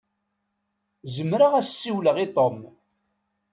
Zemreɣ ad as-siwleɣ i Tom.